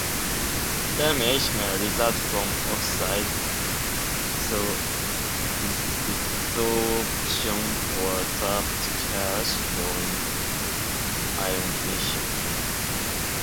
Damage may result from oxide desorption or trapped charge following ionization.